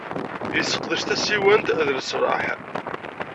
Yesseqdec tasiwant d leslaḥ.